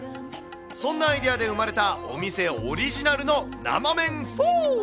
そんなアイデアで生まれたお店オリジナルの生麺フォー。